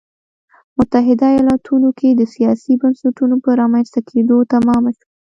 متحده ایالتونو کې د سیاسي بنسټونو په رامنځته کېدو تمامه شوه.